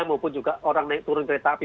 maupun juga orang naik turun kereta api